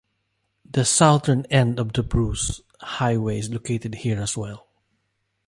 The southern end of the Bruce Highway is located here as well.